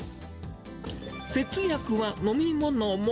節約は飲み物も。